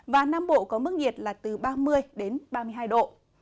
và nam bộ có mức nhiệt là từ ba mươi đến ba mươi hai độ